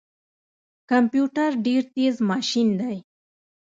کمپيوټر ډیر تیز ماشین دی